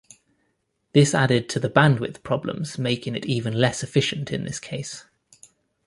This added to the bandwidth problems, making it even less efficient in this case.